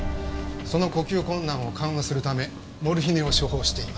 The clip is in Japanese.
その呼吸困難を緩和するためモルヒネを処方しています。